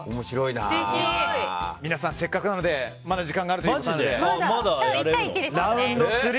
皆さん、せっかくなのでまだ時間があるということなのでラウンド３。